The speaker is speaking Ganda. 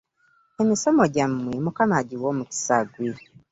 Emisomo gyammwe mukama agiwe omukisa gwe.